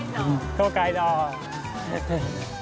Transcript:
東海道。